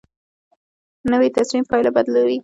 نوې تصمیم پایله بدلوي